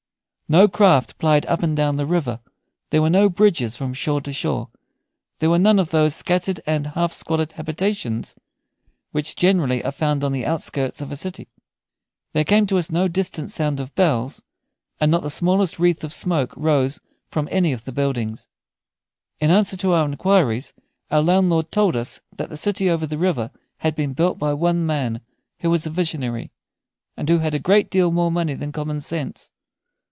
No craft plied up and down the river; there were no bridges from shore to shore; there were none of those scattered and half squalid habitations which generally are found on the outskirts of a city; there came to us no distant sound of bells; and not the smallest wreath of smoke rose from any of the buildings. In answer to our inquiries our landlord told us that the city over the river had been built by one man, who was a visionary, and who had a great deal more money than common sense.